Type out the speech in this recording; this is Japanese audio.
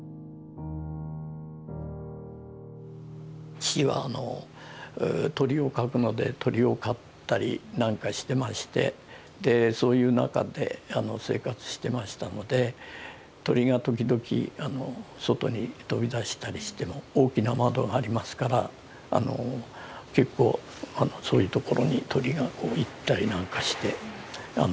父は鳥を描くので鳥を飼ったりなんかしてましてそういう中で生活してましたので鳥が時々外に飛び出したりしても大きな窓がありますから結構そういうところに鳥が行ったりなんかして。